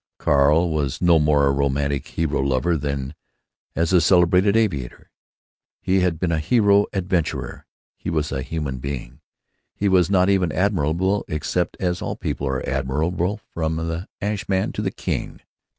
Carl was no more a romantic hero lover than, as a celebrated aviator, he had been a hero adventurer. He was a human being. He was not even admirable, except as all people are admirable, from the ash man to the king.